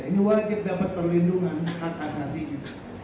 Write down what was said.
ini wajib dapat perlindungan hak asasinya